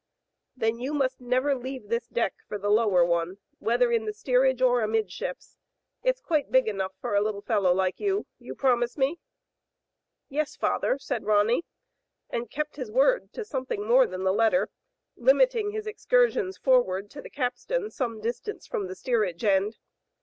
"Then you must never leave this deck for the lower one, whether in the steerage or amidships. It's quite big enough for a little fellow like you. You promise me?" "Yes, father," said Ronny, and he kept his word to something more than the letter, limiting his excursions forward to the capstan some dis tance from the steerage end.